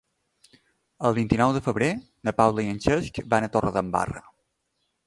El vint-i-nou de febrer na Paula i en Cesc van a Torredembarra.